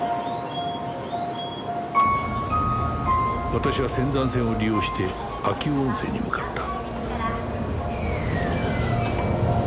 私は仙山線を利用して秋保温泉に向かった